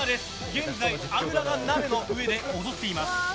現在油が鍋の上で踊っています。